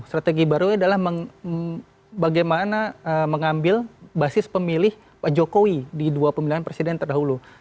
strategi barunya adalah bagaimana mengambil basis pemilih pak jokowi di dua pemilihan presiden terdahulu